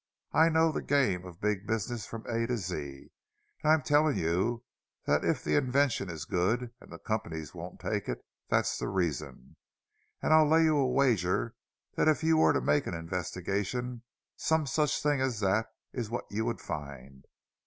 I know the game of big business from A to Z, and I'm telling you that if the invention is good and the companies won't take it, that's the reason; and I'll lay you a wager that if you were to make an investigation, some such thing as that is what you'd find!